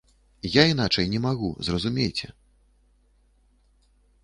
Я іначай не магу, зразумейце.